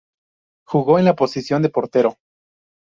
Jugó en la posición de portero.